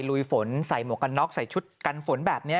ลุยฝนใส่หมวกกันน็อกใส่ชุดกันฝนแบบนี้